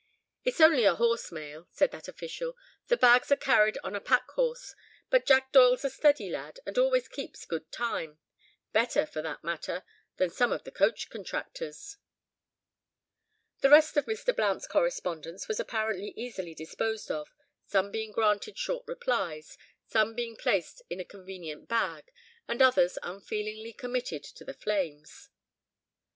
"It's only a horse mail," said that official, "the bags are carried on a pack horse. But Jack Doyle's a steady lad, and always keeps good time—better, for that matter, than some of the coach contractors." The rest of Mr. Blount's correspondence was apparently easily disposed of, some being granted short replies, some being placed in a convenient bag, and others unfeelingly committed to the flames.